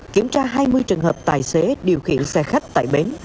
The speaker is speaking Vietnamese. kiểm tra hai mươi trường hợp tài xế điều khiển xe khách tại bến